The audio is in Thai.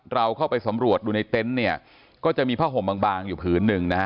เราเข้าไปสำรวจดูในเต็นต์เนี่ยก็จะมีผ้าห่มบางอยู่ผืนหนึ่งนะฮะ